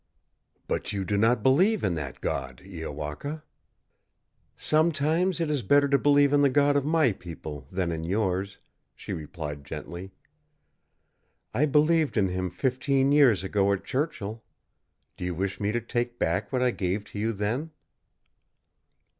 "But you do not believe in that god, Iowaka!" "Sometimes it is better to believe in the god of my people than in yours," she replied gently. "I believed in him fifteen years ago at Churchill. Do you wish me to take back what I gave to you then?"